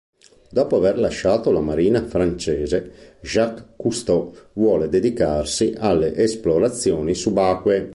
Dopo aver lasciato la Marina francese, Jacques Cousteau vuole dedicarsi alle esplorazioni subacquee.